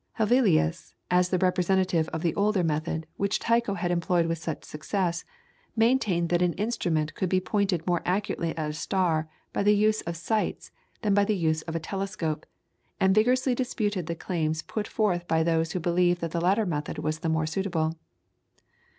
Hevelius, as the representative of the older method, which Tycho had employed with such success, maintained that an instrument could be pointed more accurately at a star by the use of sights than by the use of a telescope, and vigorously disputed the claims put forward by those who believed that the latter method was the more suitable.